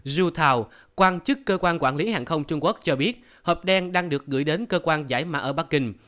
zhu tao quan chức cơ quan quản lý hàng không trung quốc cho biết hộp đen đang được gửi đến cơ quan giải mã ở bắc kinh